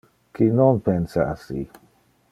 Qui non pensa assi?